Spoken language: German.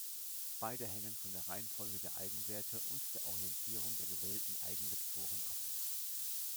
Beide hängen von der Reihenfolge der Eigenwerte und der Orientierung der gewählten Eigenvektoren ab.